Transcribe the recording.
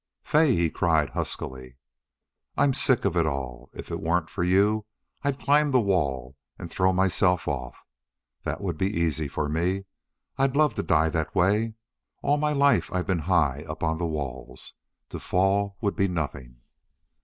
"Fay!" he cried, huskily. "I'm sick of it all. If it weren't for you I'd climb the wall and throw myself off. That would be easy for me. I'd love to die that way. All my life I've been high up on the walls. To fall would be nothing!"